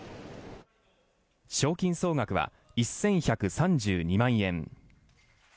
賞金総額は１１３２万円。